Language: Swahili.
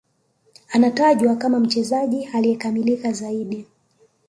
Anatajwa kama mchezaji aliyekamilika zaidi